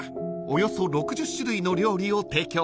およそ６０種類の料理を提供］